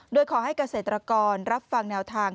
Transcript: โดยขอให้เกษตรกรรับฟังแนวทาง